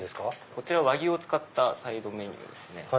こちら和牛を使ったサイドメニューですね。